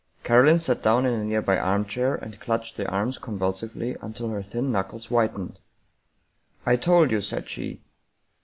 Caroline sat down in a nearby armchair, and clutched the arms convulsively until her thin knuckles whitened. " I told you," said she.